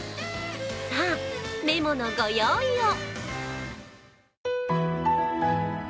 さあ、メモのご用意を！